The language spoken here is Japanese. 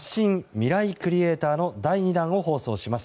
ミライクリエイター」の第２弾を放送します。